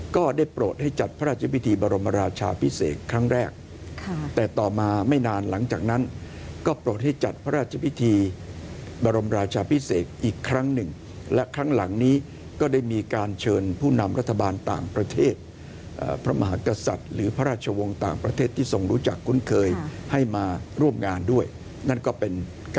ก็ได้โปรดให้จัดพระราชพิธีบรมราชาพิเศษครั้งแรกแต่ต่อมาไม่นานหลังจากนั้นก็โปรดให้จัดพระราชพิธีบรมราชาพิเศษอีกครั้งหนึ่งและครั้งหลังนี้ก็ได้มีการเชิญผู้นำรัฐบาลต่างประเทศพระมหากษัตริย์หรือพระราชวงศ์ต่างประเทศที่ทรงรู้จักคุ้นเคยให้มาร่วมงานด้วยนั่นก็เป็นก